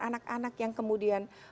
anak anak yang kemudian